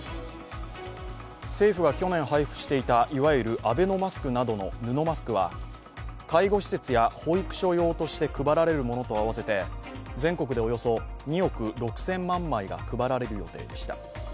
政府が去年配布していた、いわゆるアベノマスクなどの布マスクは介護施設や保育所用として配られるものと合わせて全国でおよそ２億６０００万枚が配られる予定でした。